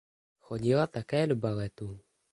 Chodila také do baletu.